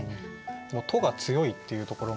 「と」が強いっていうところも。